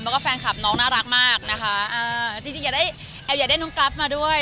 แล้วก็แฟนคลับน้องน่ารักมากนะคะอ่าจริงจริงอย่าได้แอบอยากได้น้องกรัฟมาด้วย